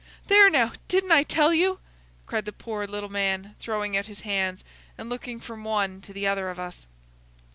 "There, now! Didn't I tell you!" cried the poor little man, throwing out his hands, and looking from one to the other of us.